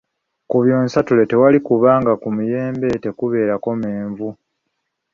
Ku byonsatule tewali kubanga ku muyembe tekubeerako menvu.